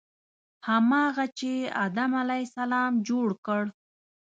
هماغه چې آدم علیه السلام جوړ کړ.